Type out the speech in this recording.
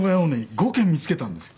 ５軒見つけたんですよ。